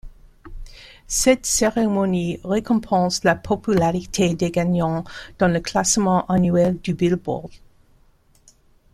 Cette cérémonie récompense la popularité des gagnants dans le classement annuel du Billboard.